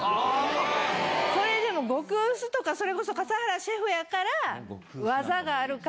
これでも極薄とかそれこそ笠原シェフやから。